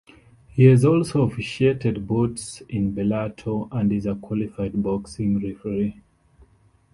He has also officiated bouts in Bellator, and is a qualified boxing referee.